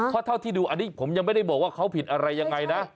เพราะเท่าที่ดูอันนี้ผมยังไม่ได้บอกว่าเขาผิดอะไรยังไงนะ